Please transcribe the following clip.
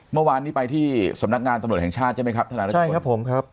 เมื่อวานนี้ไปที่สำนักงานตำรวจแห่งชาติใช่ไหมครับท่านรัฐชน